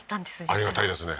ありがたいですね。